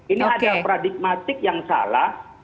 ini ada pradigmatik yang salah